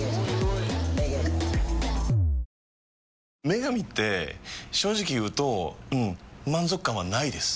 「麺神」って正直言うとうん満足感はないです。